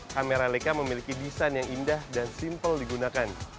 kamera leka memiliki desain yang indah dan simple digunakan